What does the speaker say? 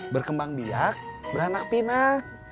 berkembang biak beranak pinak